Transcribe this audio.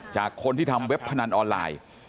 จากคนที่ทำเว็บพนันออนไลน์